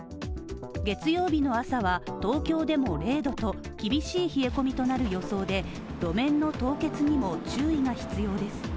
月曜日の朝は東京でも０度と厳しい冷え込みとなる予想で路面の凍結にも注意が必要です。